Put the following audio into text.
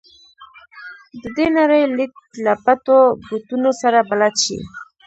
د دې نړۍ لید له پټو ګوټونو سره بلد شي.